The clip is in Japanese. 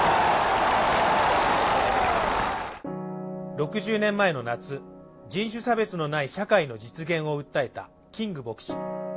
６０年前の夏、人種差別のない社会の実現を訴えたキング牧師。